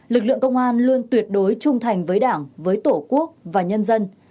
lực lượng công an luôn tuyệt đối trung thành với đảng với tổ quốc và nhân dân